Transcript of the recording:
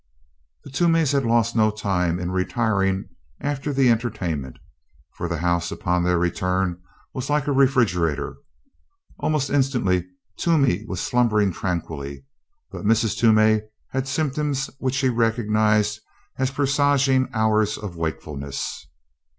The Toomeys had lost no time in retiring after the entertainment, for the house, upon their return, was like a refrigerator. Almost instantly Toomey was slumbering tranquilly, but Mrs. Toomey had symptoms which she recognized as presaging hours of wakefulness.